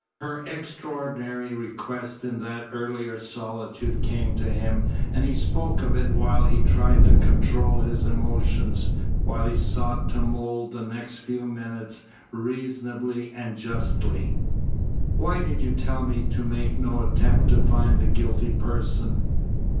Her extraordinary request in that earlier solitude came to him, and he spoke of it while he tried to control his emotions, while he sought to mould the next few minutes reasonably and justly. "Why did you tell me to make no attempt to find the guilty person?"